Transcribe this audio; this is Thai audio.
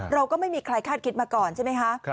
เราก็ไม่มีใครคาดคิดมาก่อนใช่ไหมคะ